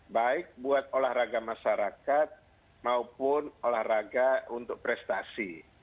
baik buat olahraga masyarakat maupun olahraga untuk prestasi